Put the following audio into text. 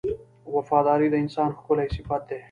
• وفاداري د انسان ښکلی صفت دی.